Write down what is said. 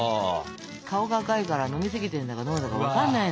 顔が赤いから飲みすぎてんだかどうだか分かんないのよ。